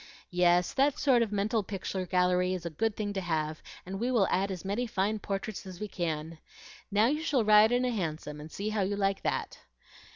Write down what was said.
"Yes, that sort of mental picture gallery is a good thing to have, and we will add as many fine portraits as we can. Now you shall ride in a Hansom, and see how you like that."